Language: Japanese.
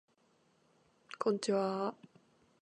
こんちはー